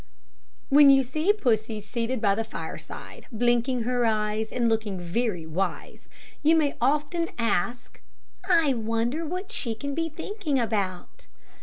When you see Pussy seated by the fireside, blinking her eyes, and looking very wise, you may often ask, "I wonder what she can be thinking about."